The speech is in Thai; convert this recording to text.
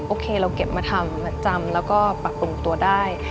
โอเคเราเก็บมาทำมาจำแล้วก็ปรับปรุงตัวได้